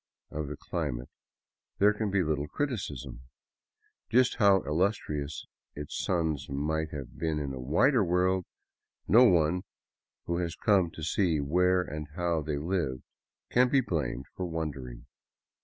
Of the climate there can be little criticism. Just how illustrious its sons might have been in a wider world no one who has come to see where and how they lived can be blamed for wondering.